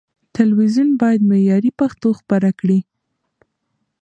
تلويزيون بايد معياري پښتو خپره کړي.